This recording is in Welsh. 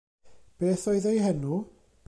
Beth oedd ei henw?